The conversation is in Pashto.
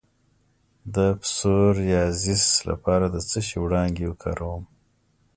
د پسوریازیس لپاره د څه شي وړانګې وکاروم؟